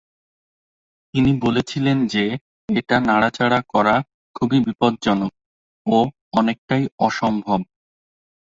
তিনি বলেছিলেন যে, এটা নাড়াচাড়া করা খুবই বিপজ্জনক ও অনেকটাই অসম্ভব।